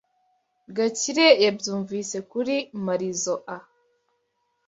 Gakire yabyumvise kuri Marizoa.